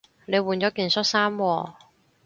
你換咗件恤衫喎